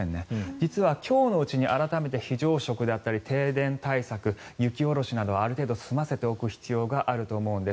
実は今日のうちに改めて非常食であったり停電対策雪下ろしなど、ある程度済ませておく必要があると思うんです。